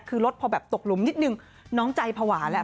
คือรถพอตกลมนิดหนึ่งน้องใจผวาแล้ว